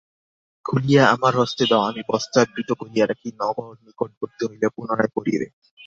খুলিয়া আমার হস্তে দাও আমি বস্ত্রাবৃত করিয়া রাখি নগর নিকটবর্তী হইলে পুনরায় পরিবে।